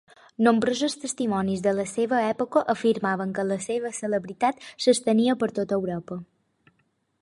Nombrosos testimonis de la seva època afirmaven que la seva celebritat s'estenia per tot Europa.